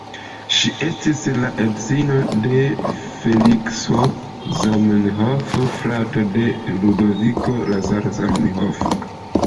Ŝi estis la edzino de Felikso Zamenhof, frato de Ludoviko Lazaro Zamenhof.